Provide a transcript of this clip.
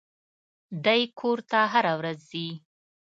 دى کور ته هره ورځ ځي.